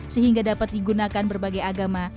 sehingga dapat digunakan berbagai agama